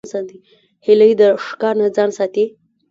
هیلۍ د ښکار نه ځان ساتي